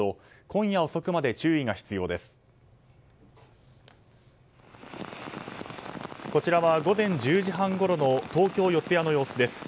こちらは午前１０時半ごろの東京・四谷の様子です。